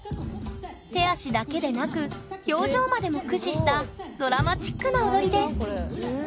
手足だけでなく表情までも駆使したドラマチックな踊りです。